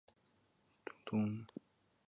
五迁至内阁学士。